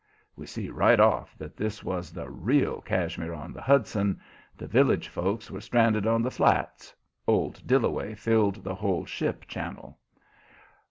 We see right off that this was the real Cashmere on the Hudson; the village folks were stranded on the flats old Dillaway filled the whole ship channel.